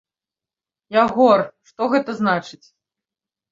Ягор, што гэта значыць?